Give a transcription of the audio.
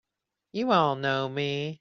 You all know me!